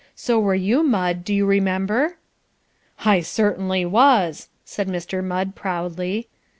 So were you, Mudd, do you remember?" "I certainly was!" said Mr. Mudd proudly.